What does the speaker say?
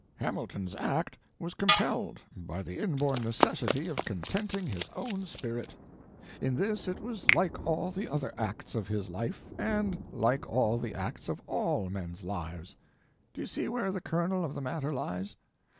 Hamilton's act was compelled by the inborn necessity of contenting his own spirit; in this it was like all the other acts of his life, and like all the acts of all men's lives. Do you see where the kernel of the matter lies?